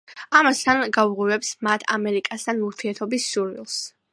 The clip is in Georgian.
ამასთან, გაუღვივებს მათ ამერიკასთან ურთიერთობის სურვილს.